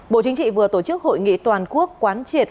bộ chính trị vừa tổ chức hội nghị toàn quốc quán triệt